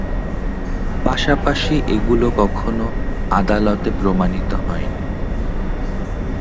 পাশাপাশি এগুলো কখনও আদালতে প্রমাণিত হয়নি।